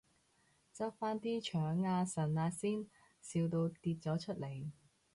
執返啲腸啊腎啊先，笑到跌咗出嚟